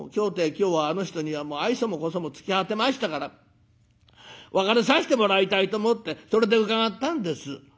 今日はあの人には愛想も小想も尽き果てましたから別れさしてもらいたいと思ってそれで伺ったんです」。